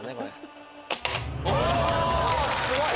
おすごい！